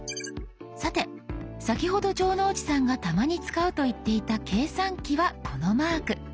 さて先ほど城之内さんがたまに使うと言っていた計算機はこのマーク。